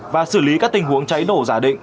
và xử lý các tình huống cháy nổ giả định